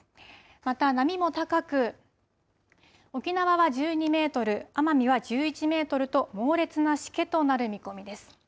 また、波も高く、沖縄は１２メートル、奄美は１１メートルと、猛烈なしけとなる見込みです。